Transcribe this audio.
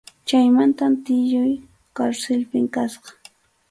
Chaymantam tiyuy karsilpi kasqa.